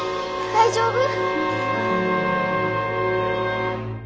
大丈夫？